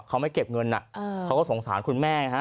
เค้าไม่เก็บเงินน่ะเค้าสงสารคุณแม่นะฮะ